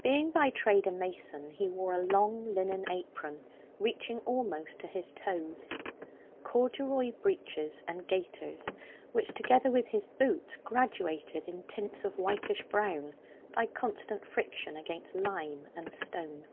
Being by trade a mason, he wore a long linen apron reaching almost to his toes, corduroy breeches and gaiters, which, together with his boots, graduated in tints of whitish brown by constant friction against lime and stone.